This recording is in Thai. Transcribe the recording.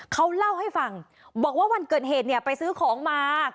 เขาเล่าให้ฟังบอกว่าวันเกิดเหตุเนี่ยไปซื้อของมา